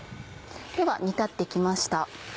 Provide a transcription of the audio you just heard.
では煮立って来ました。